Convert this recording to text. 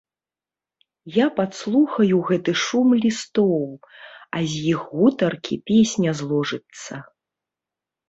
Я падслухаю гэты шум лістоў, а з іх гутаркі песня зложыцца.